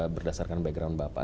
berdasarkan background bapak